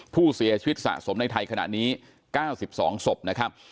ผู้เสียชีวิตสะสมในไทยขณะนี้๙๒ศพนะครับ